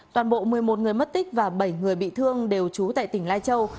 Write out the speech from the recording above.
toàn bộ một mươi một người mất tích và bảy người bị thương đều trú tại tỉnh lai châu